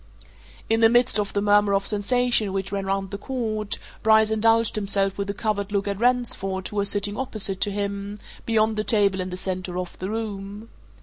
In the midst of the murmur of sensation which ran round the court, Bryce indulged himself with a covert look at Ransford who was sitting opposite to him, beyond the table in the centre of the room.